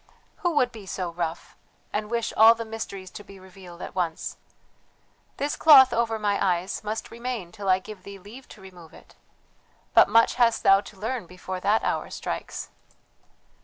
"Who would be so rough! And wish all the mysteries to be revealed at once? This cloth over my eyes must remain till I give thee leave to remove it. But much hast thou to learn before that hour strikes.